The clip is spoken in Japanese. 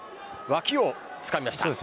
脇をつかみました。